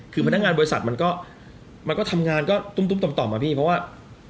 คือพนักงานบริษัทมันก็ทำงานก็ตุ้มต่อมอะพี่เพราะว่า